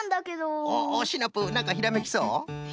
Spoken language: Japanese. おっおっシナプーなんかひらめきそう？